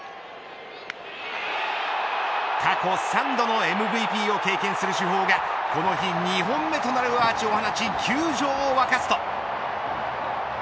過去３度のＭＶＰを経験する主砲がこの日２本目となるアーチを放ち球場を沸かすと。